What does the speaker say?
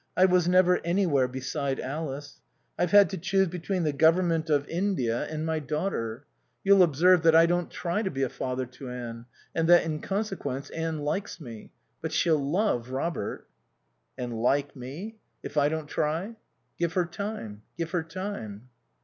I was never anywhere beside Alice. I've had to choose between the Government of India and my daughter. You'll observe that I don't try to be a father to Anne; and that, in consequence, Anne likes me. But she'll love Robert." "And 'like' me? If I don't try." "Give her time. Give her time."